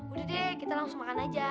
udah deh kita langsung makan aja